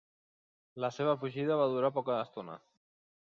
La seva fugida va durar poca estona.